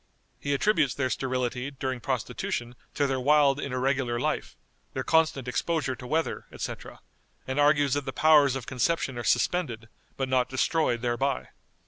He attributes their sterility during prostitution to their wild and irregular life, their constant exposure to weather, etc., and argues that the powers of conception are suspended, but not destroyed thereby.